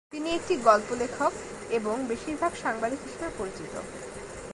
তিনি একটি গল্প লেখক, এবং বেশিরভাগ সাংবাদিক হিসাবে পরিচিত।